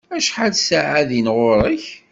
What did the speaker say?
Acḥal ssaɛa din ɣur-k?